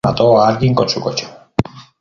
Él mató a alguien con su coche.